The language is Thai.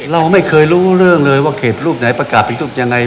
เราไม่เคยรู้เรื่องเลยว่าเขตรูปไหนประกาศติดรูปยังไง